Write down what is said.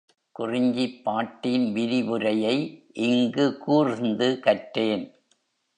குறிஞ்சிப்பாட்டின் விரிவுரையை இங்கு கூர்ந்து கற்றேன்.